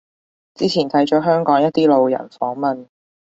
之前睇咗香港一啲路人訪問